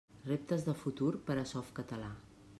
Reptes de futur per a Softcatalà.